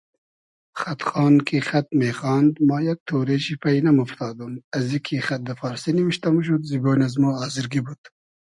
خئد خان کی خئد میخاند ما یئگ تۉرې شی پݷ نئمۉفتادوم ازی کی خئد دۂ فارسی نیمشتۂ موشود زیبۉن از مۉ آزرگی بود